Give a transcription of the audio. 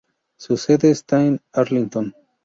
Su sede está en Arlington.